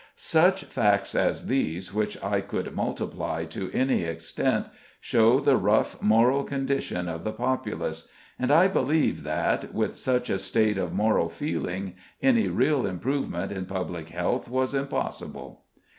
Such facts as these, which I could multiply to any extent, show the rough moral condition of the populace, and I believe that, with such a state of moral feeling, any real improvement in public health was impossible.